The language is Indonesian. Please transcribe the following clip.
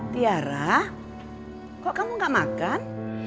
tiara kok kamu gak makan